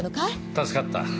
助かった。